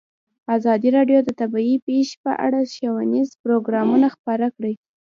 ازادي راډیو د طبیعي پېښې په اړه ښوونیز پروګرامونه خپاره کړي.